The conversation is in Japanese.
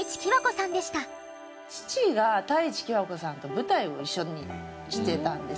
父が太地喜和子さんと舞台を一緒にしてたんですね。